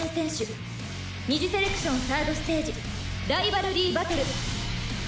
「二次セレクション３ｒｄステージライバルリー・バトル」